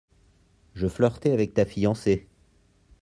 Je flirtais avec ta fiancée.